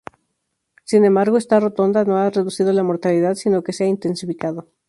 Sin embargo, esta rotonda no ha reducido la mortalidad, sino que se ha intensificado.